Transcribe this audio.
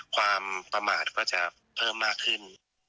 ความประมาทก็จะเพิ่มมากขึ้น